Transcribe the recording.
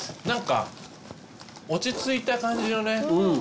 何か落ち着いた感じのね